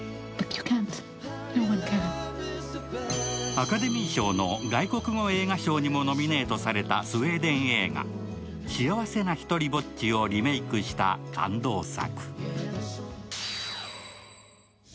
アカデミー賞の外国語映画賞にもノミネートされたスウェーデン映画「幸せなひとりぼっち」をリメイクした感動作。